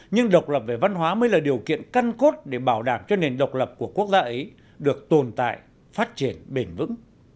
nhưng độc lập về văn hóa mới là điều kiện căn cốt để bảo đảm cho nền độc lập của quốc gia ấy được tồn tại phát triển bền vững